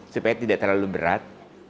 supaya tidak terlalu berat